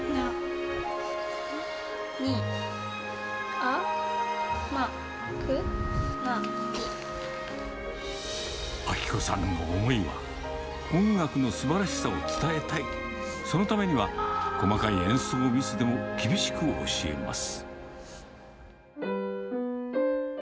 音楽は、明子さんの思いは、音楽のすばらしさを伝えたい、そのためには、細かい演奏ミスでも厳しく教えます。